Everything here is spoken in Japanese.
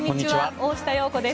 大下容子です。